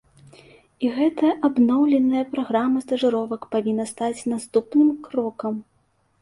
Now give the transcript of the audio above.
І гэтая абноўленая праграма стажыровак павінна стаць наступным крокам.